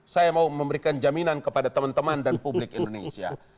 saya mau memberikan jaminan kepada teman teman dan publik indonesia